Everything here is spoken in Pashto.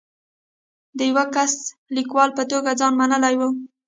د یوه کیسه لیکوال په توګه ځان منلی و.